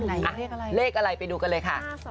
อ่ะเลขอะไรไปดูกันเลยค่ะ